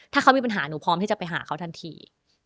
ถ้าเขามีปัญหาหนูพร้อมที่จะไปหาเขาทันที